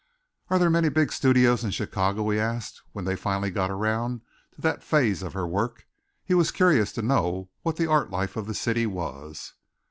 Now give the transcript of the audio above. "Are there many big studios in Chicago?" he asked when they finally got around to that phase of her work. He was curious to know what the art life of the city was.